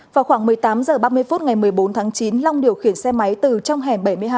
vào khoảng một mươi tám h ba mươi phút ngày một mươi bốn tháng chín long điều khiển xe máy từ trong hẻm bảy mươi hai